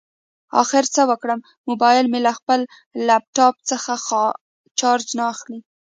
اخر څه وکړم؟ مبایل مې له خپل لاپټاپ څخه چارج نه اخلي